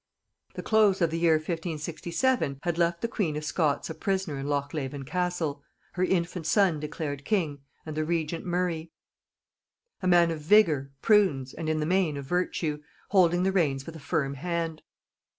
The close of the year 1567 had left the queen of Scots a prisoner in Lochleven castle, her infant son declared king, and the regent Murray, a man of vigor, prudence, and in the main of virtue, holding the reins with a firm hand.